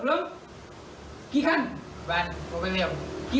โอ้เจ้านี่